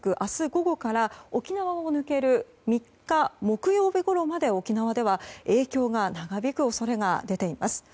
午後から沖縄を抜ける３日木曜日ごろまで影響が長引く恐れが出ています。